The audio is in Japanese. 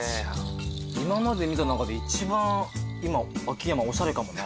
今まで見た中で一番今秋山おしゃれかもな。